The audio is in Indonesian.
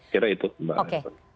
kira itu mbak